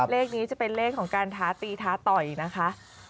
เลขนี้จะเป็นเลขของการท้าตีท้าต่อยนะคะ